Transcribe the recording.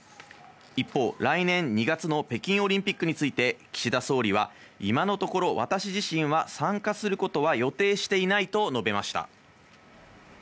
一方、来年２月の北京オリンピックについて岸田総理は、今のところ私自身は参加することは予定していないと述べました。